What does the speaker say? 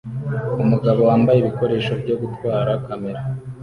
umugabo wambaye ibikoresho byo gutwara kamera